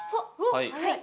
はい。